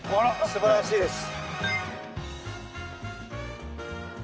すばらしいです。